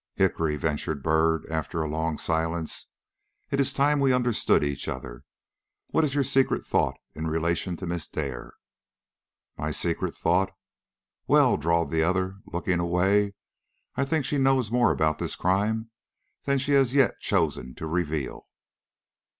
"Hickory," ventured Byrd, after a long silence, "it is time we understood each other. What is your secret thought in relation to Miss Dare?" "My secret thought? Well," drawled the other, looking away, "I think she knows more about this crime than she has yet chosen to reveal."